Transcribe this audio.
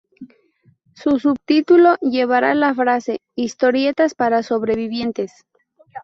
De subtítulo llevaba la frase "Historietas para sobrevivientes".